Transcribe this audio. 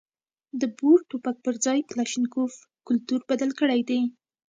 د بور ټوپک پر ځای کلاشینکوف کلتور بدل کړی دی.